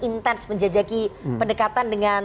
intens menjajaki pendekatan dengan